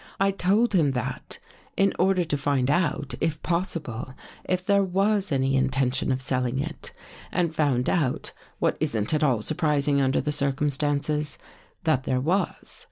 I told him that, in order to find out, if possible, if there was any intention of selling it, and found out, what isn't at all surprising under the circumstances, that there was.